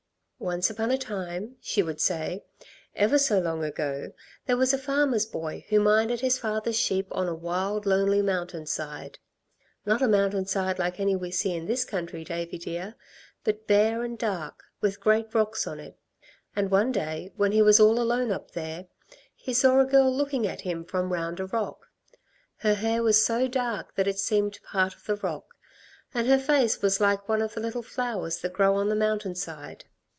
"Once upon a time," she would say, "ever so long ago, there was a farmer's boy who minded his father's sheep on a wild, lonely mountain side. Not a mountain side like any we see in this country, Davey dear, but bare and dark, with great rocks on it. And one day, when he was all alone up there, he saw a girl looking at him from round a rock. Her hair was so dark that it seemed part of the rock, and her face was like one of the little flowers that grow on the mountain side.